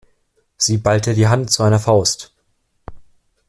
Sie ballte die Hand zu einer Faust.